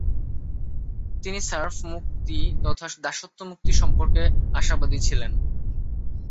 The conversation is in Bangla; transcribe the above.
তিনি "সার্ফ" মুক্তি তথা দাসত্ব মুক্তি সম্পর্কে আশাবাদী ছিলেন।